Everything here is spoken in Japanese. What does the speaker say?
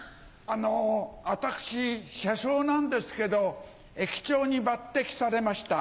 あの私車掌なんですけど駅長に抜擢されました。